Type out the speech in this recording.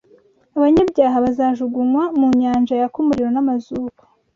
Abanyabyaha bazajugugunywa mu nyanja yaka umuriro n’amazuku